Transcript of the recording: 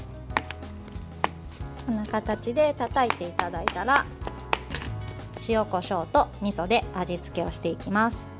こんな形でたたいていただいたら塩、こしょうとみそで味付けをしていきます。